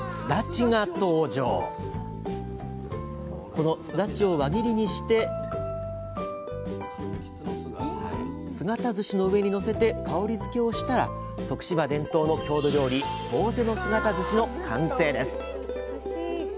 このすだちを輪切りにして姿ずしの上にのせて香りづけをしたら徳島伝統の郷土料理「ぼうぜの姿ずし」の完成です！